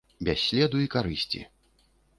Без следу і карысці.